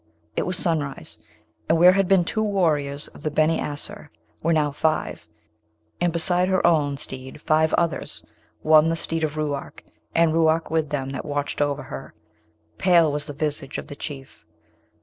it was sunrise; and where had been two warriors of the Beni Asser, were now five, and besides her own steed five others, one the steed of Ruark, and Ruark with them that watched over her: pale was the visage of the Chief.